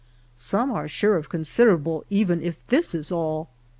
Some are sure of con siderable, even if this is all.